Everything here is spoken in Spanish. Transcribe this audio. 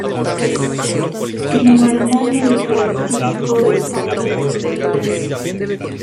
Primo hermano de Francisco de Paula Santander.